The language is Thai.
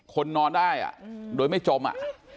คนนอนได้โดยไม่จมอ่ะ